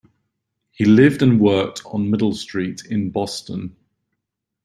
He lived and worked on Middle Street in Boston.